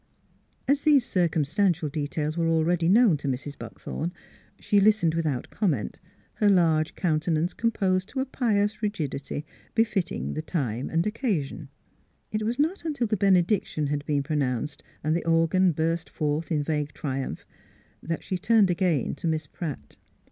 As these circumstantial details were already known to Mrs. Buckthorn, she listened without comment, her large countenance composed to a pious rigidity befitting the time and occasion. It was not until the benediction had been pronounced and the organ burst forth in vague triumph that she turned again to Miss Pratt.